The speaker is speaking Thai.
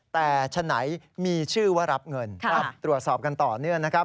แต่ฉะไหนมีชื่อว่ารับเงินตรวจสอบกันต่อเนื่องนะครับ